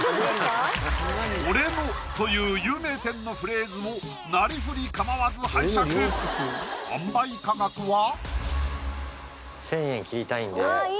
「俺の」という有名店のフレーズをなりふり構わず拝借販売価格は？